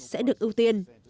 sẽ được ưu tiên